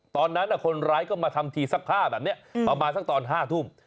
ตอนนั้นคนร้ายก็มาทำทีซักผ้าแบบนี้ประมาณสักตอน๕ทุ่ม